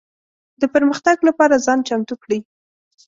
د پرمختګ لپاره ځان چمتو کړي.